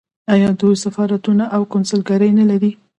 آیا دوی سفارتونه او کونسلګرۍ نلري؟